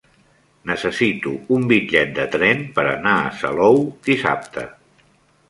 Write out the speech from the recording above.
Necessito un bitllet de tren per anar a Salou dissabte.